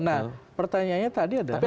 nah pertanyaannya tadi adalah